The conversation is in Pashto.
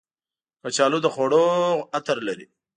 کچالو د خوړو عطر لري